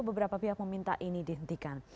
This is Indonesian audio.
beberapa pihak meminta ini dihentikan